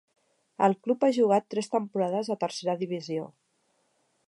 El club ha jugat tres temporades a Tercera Divisió.